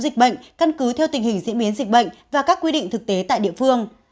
dịch bệnh căn cứ theo tình hình diễn biến dịch bệnh và các quy định thực tế tại địa phương